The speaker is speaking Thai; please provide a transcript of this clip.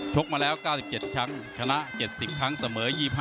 กมาแล้ว๙๗ครั้งชนะ๗๐ครั้งเสมอ๒๕